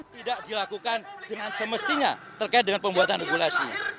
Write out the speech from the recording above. tidak dilakukan dengan semestinya terkait dengan pembuatan regulasi